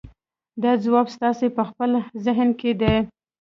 دا ځواب ستاسې په خپل ذهن کې دی.